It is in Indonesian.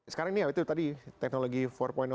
sekarang ini ya itu tadi teknologi empat